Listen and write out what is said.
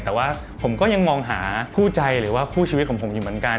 แต่ว่าผมก็ยังมองหาคู่ใจหรือว่าคู่ชีวิตของผมอยู่เหมือนกัน